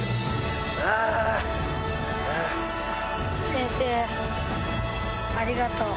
先生ありがとう。